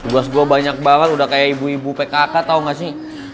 bos gue banyak banget udah kayak ibu ibu pkk tau gak sih